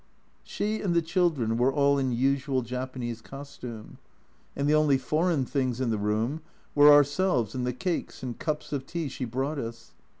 She and the children were all in usual Japanese costume, and the only "foreign" things in the room were ourselves and the cakes and cups of tea she brought us.